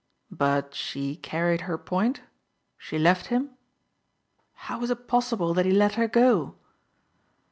"But she carried her point? She left him? How was it possible that he let her go?"